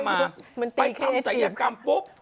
มันตีเพจสิไปทำสัยกรรมปุ๊บ